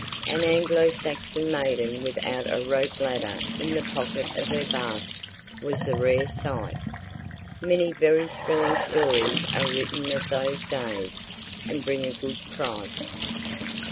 An Anglo Saxon maiden without a rope ladder in the pocket of her basque was a rare sight. Many very thrilling stories are written of those days, and bring a good price.